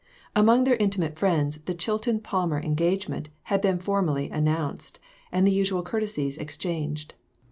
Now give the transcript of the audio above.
Among their intimate friends the Chilton Palmer engagement had been formally announced and the usual courtesies exchanged.